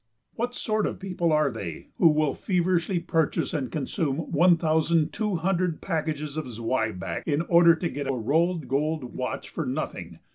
What sort of people are they who will feverishly purchase and consume one thousand two hundred packages of zwieback in order to get a "rolled gold" watch for nothing?